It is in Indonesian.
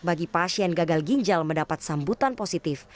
bagi pasien gagal ginjal mendapat sambutan positif